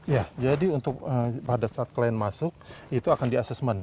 ya jadi untuk pada saat klien masuk itu akan di assessment